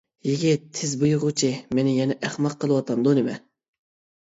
يىگىت «تېز بېيىغۇچى» مېنى يەنە ئەخمەق قىلىۋاتامدۇ نېمە!